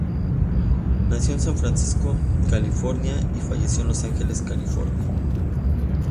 Nació en San Francisco, California, y falleció en Los Ángeles, California.